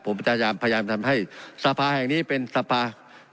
ผมพยายามทำให้สภาแห่งนี้เป็นสภา